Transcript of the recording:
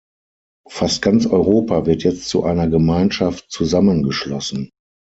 Fast ganz Europa wird jetzt zu einer Gemeinschaft zusammengeschlossen.